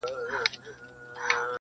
د وړې اوسپني زور نه لري لوېږي؛